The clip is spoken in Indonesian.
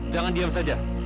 jangan diam saja